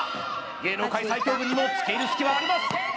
芸能界最強軍にもつけいる隙はあります